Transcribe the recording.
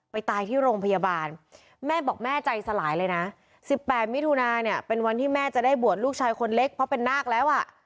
ตายที่โรงพยาบาลแม่บอกแม่ใจสลายเลยนะ๑๘มิถุนาเนี่ยเป็นวันที่แม่จะได้บวชลูกชายคนเล็กเพราะเป็นนาคแล้วอ่ะ